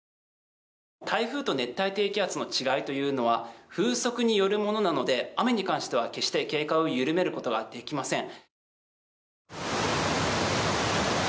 台風と熱帯低気圧の違いというのは風速によるものなので雨に関しては決して警戒を緩めることができません。